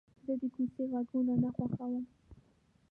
زه د کوڅې غږونه نه خوښوم.